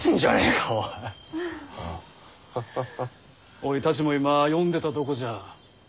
おいたちも今読んでたとこじゃ。